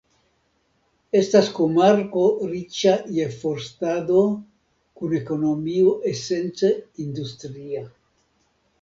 Estas komarko riĉa je forstado kun ekonomio esence industria.